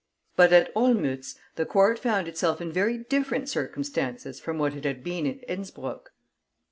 But at Olmütz the Court found itself in very different circumstances from what it had been at Innspruck.